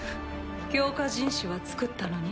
強化人士は造ったのに？